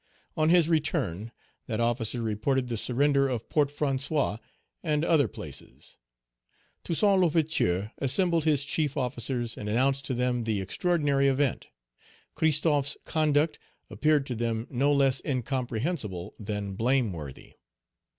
On his return, that officer reported the surrender of Port François and other places. Toussaint L'Ouverture assembled his chief officers, and announced to them the extraordinary event. Christophe's conduct appeared to them no less incomprehensible than blameworthy.